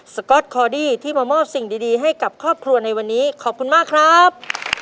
ก๊อตคอดี้ที่มามอบสิ่งดีให้กับครอบครัวในวันนี้ขอบคุณมากครับ